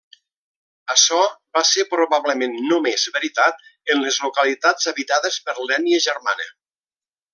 Açò va ser probablement només veritat en les localitats habitades per l'ètnia germana.